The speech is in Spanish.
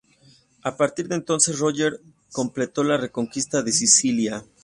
A partir de entonces Roger completó la reconquista de Sicilia.